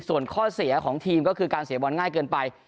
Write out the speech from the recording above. ส่วนข้อเสียของทีมก็คือการเสียบอลง่ายเกินไป